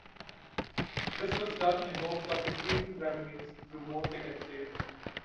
This was done in hopes of increasing revenues through more ticket sales.